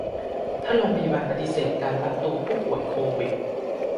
ถ้าโรงพยาบาลปฏิเสธการรับตัวผู้ป่วยโควิด